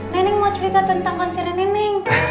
neneng mau cerita tentang konser neneng